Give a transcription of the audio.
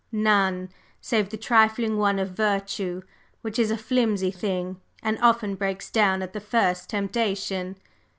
None! save the trifling one of virtue, which is a flimsy thing, and often breaks down at the first temptation.